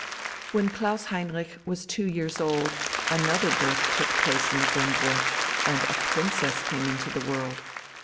When Klaus Heinrich was two years old, another birth took place in the Grimmburg, and a princess came into the world.